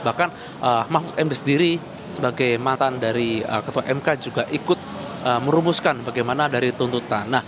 bahkan mahfud md sendiri sebagai mantan dari ketua mk juga ikut merumuskan bagaimana dari tuntutan